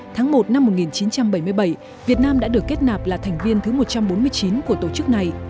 tháng một năm một nghìn chín trăm bảy mươi bảy việt nam đã được kết nạp là thành viên thứ một trăm bốn mươi chín của tổ chức này